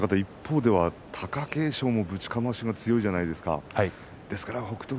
貴景勝もぶちかましが強いじゃないですか北勝